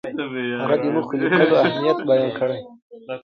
هغه د موخو لیکلو اهمیت بیان کړ.